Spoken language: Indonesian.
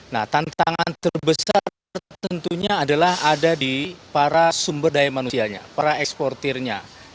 nah tantangan terbesar tentunya adalah ada di para sumber daya manusianya para eksportirnya